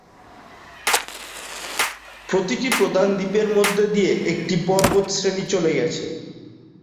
প্রতিটি প্রধান দ্বীপের মধ্য দিয়ে একটি পর্বতশ্রেণী চলে গেছে।